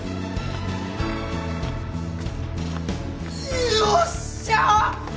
よっしゃ！